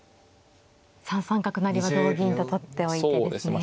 ３三角成は同銀と取っておいてですね。